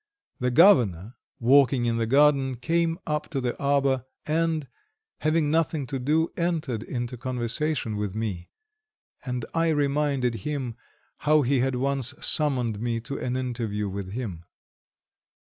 The Governor, walking in the garden, came up to the arbour and, having nothing to do, entered into conversation with me, and I reminded him how he had once summoned me to an interview with him.